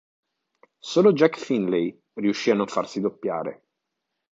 Solo Jack Findlay riuscì a non farsi doppiare.